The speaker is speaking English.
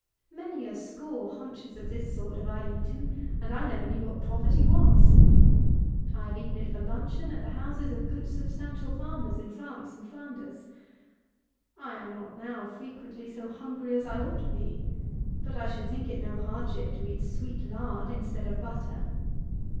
Many a score hunches of this sort have I eaten, and I never knew what poverty was. I have eaten it for luncheon at the houses of good substantial farmers in France and Flanders. I am not now frequently so hungry as I ought to be; but I should think it no hardship to eat sweet lard instead of butter.